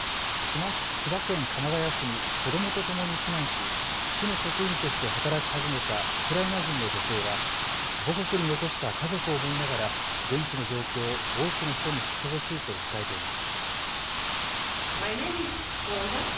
千葉県鎌ケ谷市に子どもとともに避難し市の職員として働き始めたウクライナ人の女性は母国に残した家族を思いながら現地の状況を多くの人に知ってほしいと訴えています。